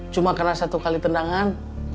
cuma karena satu kali tendangan